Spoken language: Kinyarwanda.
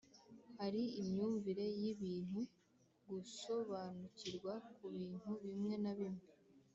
hari imyumvire y'ibintu, gusobanukirwa ku bintu bimwe na bimwe